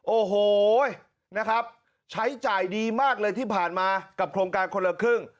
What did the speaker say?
โอ้โหนะครับใช้จ่ายดีมากเลยที่ผ่านมากับโครงการคนละครึ่ง